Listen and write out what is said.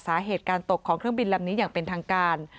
สาเหตุการตกของเครื่องบินลำนี้อย่างเป็นทางการ